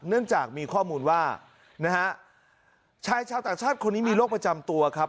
เนื่องจากมีข้อมูลว่านะฮะชายชาวต่างชาติคนนี้มีโรคประจำตัวครับ